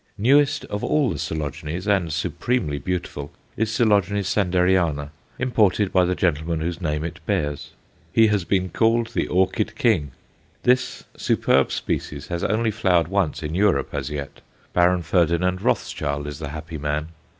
Newest of all the Coelogenes, and supremely beautiful, is Coel. Sanderiana, imported by the gentleman whose name it bears. He has been called "The Orchid King." This superb species has only flowered once in Europe as yet; Baron Ferdinand Rothschild is the happy man.